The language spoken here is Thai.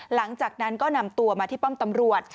หลังจากนั้นก็นำตัวมาที่ป้อมตำรวจ